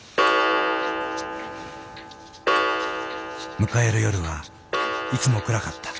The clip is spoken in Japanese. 迎える夜はいつも暗かった。